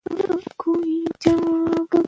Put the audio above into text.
واک د خلکو د ګټو لپاره دی.